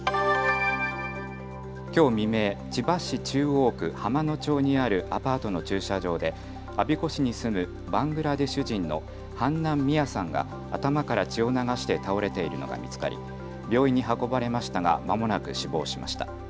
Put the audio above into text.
きょう未明、千葉市中央区浜野町にあるアパートの駐車場で我孫子市に住むバングラデシュ人のハンナン・ミアさんが頭から血を流して倒れているのが見つかり病院に運ばれましたがまもなく死亡しました。